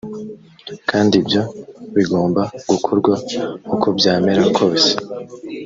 kandi ibyo bigomba gukorwa ukobyamera kose